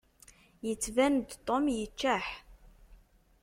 Yettban-d Tom yeččeḥ.